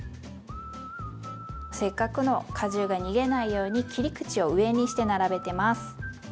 せっかくの果汁が逃げないように切り口を上にして並べてます。